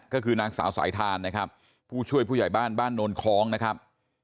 ก็คือนางสาวสายทานนะครับผู้ช่วยผู้ใหญ่บ้านบ้านโนนคล้องนะครับ